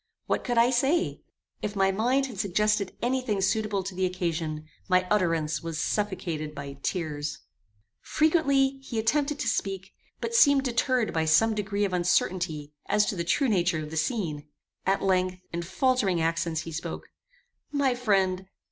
What could I say? If my mind had suggested any thing suitable to the occasion, my utterance was suffocated by tears. Frequently he attempted to speak, but seemed deterred by some degree of uncertainty as to the true nature of the scene. At length, in faltering accents he spoke: "My friend!